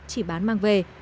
chỉ bán mang về